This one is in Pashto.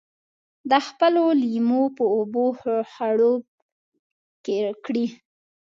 د خپلو لېمو په اوبو خړوب کړي.